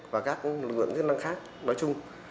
và các lực lượng kỹ năng khác nói chung